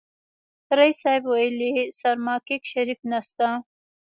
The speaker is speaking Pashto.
ريس صيب ويلې سرماکيک شريف نسته.